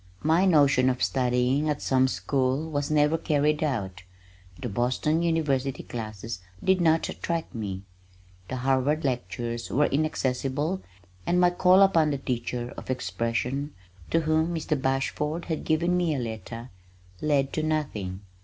My notion of studying at some school was never carried out. The Boston University classes did not attract me. The Harvard lectures were inaccessible, and my call upon the teacher of "Expression" to whom Mr. Bashford had given me a letter led to nothing.